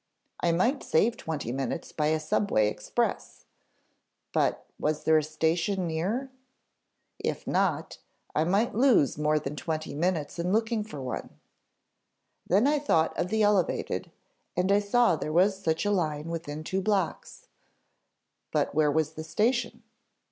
I might save twenty minutes by a subway express. But was there a station near? If not, I might lose more than twenty minutes in looking for one. Then I thought of the elevated, and I saw there was such a line within two blocks. But where was the station?